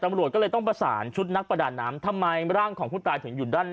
ตำรวจก็เลยต้องประสานชุดนักประดาน้ำทำไมร่างของผู้ตายถึงอยู่ด้าน